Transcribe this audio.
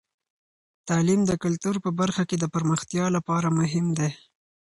تعلیم د کلتور په برخه کې د پرمختیا لپاره مهم دی.